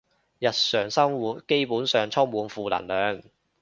日常生活基本上充滿負能量